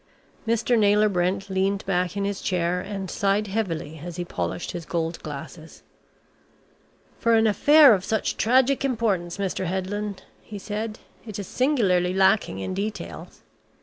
Mr. Naylor Brent leaned back in his chair and sighed heavily, as he polished his gold glasses. "For an affair of such tragic importance, Mr. Headland," he said, "it is singularly lacking in details.